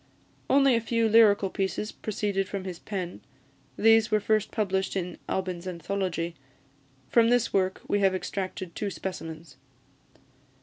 Only a few lyrical pieces proceeded from his pen; these were first published in "Albyn's Anthology." From this work we have extracted two specimens.